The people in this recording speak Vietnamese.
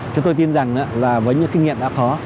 chúng tôi tin rằng là với những kinh nghiệm đã có